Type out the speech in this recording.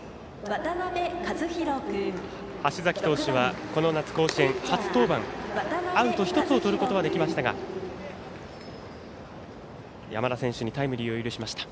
橋崎投手はこの夏甲子園は初登板、アウト１つをとることはできましたが山田選手にタイムリーを許しました。